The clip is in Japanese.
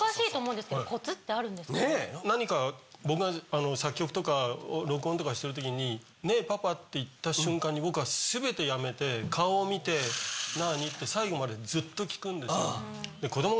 僕が作曲とか録音とかしてる時に「ねぇパパ」って言った瞬間に僕は全てやめて顔を見て「なぁに？」って最後までずっと聞くんです。